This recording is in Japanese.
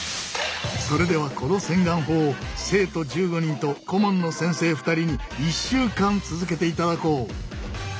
それではこの洗顔法を生徒１５人と顧問の先生２人に１週間続けていただこう！